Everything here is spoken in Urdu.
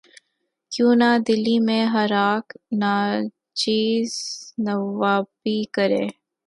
کیوں نہ دلی میں ہر اک ناچیز نوّابی کرے